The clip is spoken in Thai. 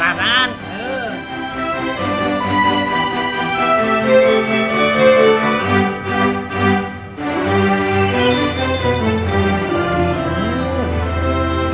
อันนี้ปลาอินซียักษ์นะครับ